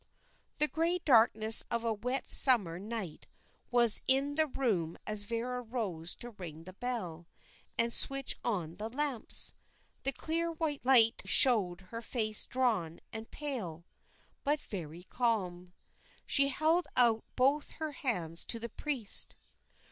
The grey darkness of a wet summer night was in the room as Vera rose to ring the bell and switch on the lamps. The clear white light showed her face drawn and pale, but very calm. She held out both her hands to the priest.